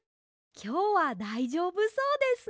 きょうはだいじょうぶそうですね。